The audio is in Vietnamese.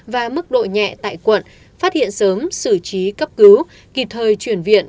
và mức độ nhẹ tại quận phát hiện sớm xử trí cấp cứu kịp thời chuyển viện